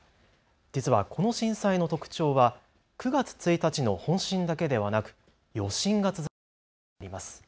実はこの震災の特徴は９月１日の本震だけではなく余震が続いたところにあります。